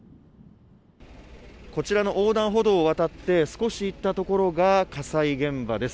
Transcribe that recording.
こちらの横断歩道を渡って少し行ったところが火災現場です。